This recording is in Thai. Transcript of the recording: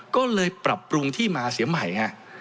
ก็เลยปรับปรุงที่มาเสียใหม่ฮะ